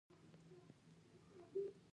د شیزوفرینیا د مغز کیمیاوي توازن خرابوي.